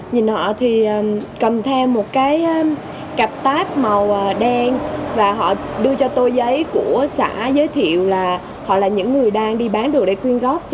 nhìn họ thì cầm theo một cái cặp tác màu đen và họ đưa cho tôi giấy của xã giới thiệu là họ là những người đang đi bán đồ để quyên góp